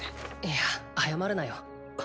いや謝るなよ。